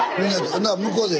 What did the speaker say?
ほな向こうで。